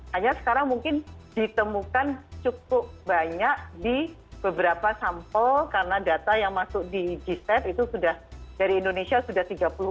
hanya sekarang mungkin ditemukan cukup banyak di beberapa sampel karena data yang masuk di g set itu sudah dari indonesia sudah tiga puluh dua